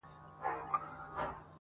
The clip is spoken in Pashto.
• د پامیر لوري یه د ښکلي اریانا لوري_